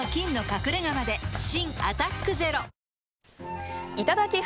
新「アタックＺＥＲＯ」いただき！